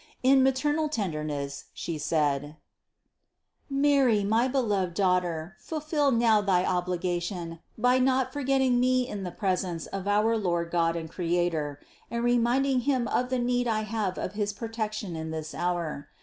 In maternal tenderness she said: "Mary, my beloved Daughter, ful fill now thy obligation by not forgetting me in the pres ence of our Lord God and Creator and reminding Him of the need I have of his protection in this hour.